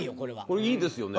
これいいですよね。